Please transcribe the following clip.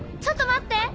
ちょっと待って。